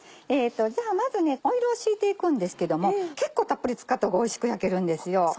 じゃあまずオイルを引いていくんですけども結構たっぷり使った方がおいしく焼けるんですよ。